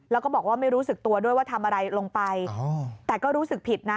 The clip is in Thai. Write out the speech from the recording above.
แล้วก็บอกว่าไม่รู้สึกตัวด้วยว่าทำอะไรลงไปแต่ก็รู้สึกผิดนะ